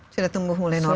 sudah tumbuh mulai normal